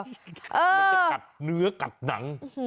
มันจะกัดเนื้อกัดหนัง